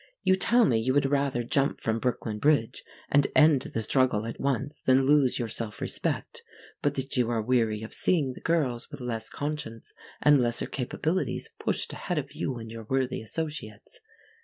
You tell me you would rather jump from Brooklyn Bridge and end the struggle at once than lose your self respect, but that you are weary of seeing the girls with less conscience, and lesser capabilities, pushed ahead of you and your worthy associates.